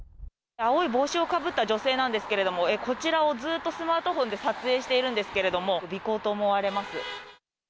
青い帽子をかぶった女性なんですけれども、こちらをずっとスマートフォンで撮影しているんですけれども、尾行と思われます。